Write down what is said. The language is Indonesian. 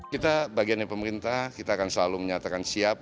kita bagiannya pemerintah kita akan selalu menyatakan siap